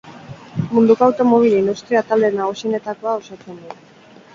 Munduko automobil-industria talde nagusienetakoa osatzen du.